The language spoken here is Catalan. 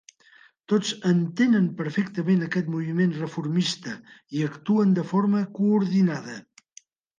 Tots entenen perfectament aquest moviment reformista i actuen de forma coordinada.